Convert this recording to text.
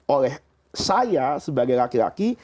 oleh saya sebagai laki laki